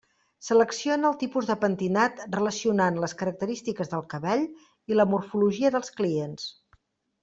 Selecciona el tipus de pentinat relacionant les característiques del cabell i la morfologia dels clients.